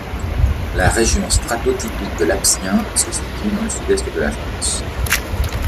La région stratotypique de l'Aptien se situe dans le Sud-Est de la France.